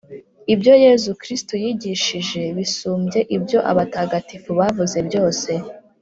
Ibyo yezu kristu yigishije ,bisumbye ibyo abatagatifu bavuze byose